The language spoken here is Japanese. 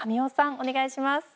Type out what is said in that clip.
お願いします。